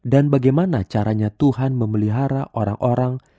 dan bagaimana caranya tuhan memelihara orang orang